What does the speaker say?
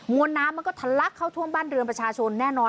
วนน้ำมันก็ทะลักเข้าท่วมบ้านเรือนประชาชนแน่นอน